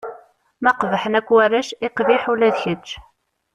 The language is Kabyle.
Ma qebḥen akk warrac, iqbiḥ ula d kečč!